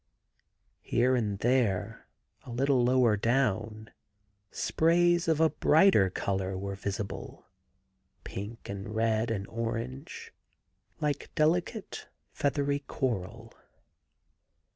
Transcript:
Here and there, a little lower down, sprays of a brighter colour were visible — pink and red and orange, like delicate, feathery coral.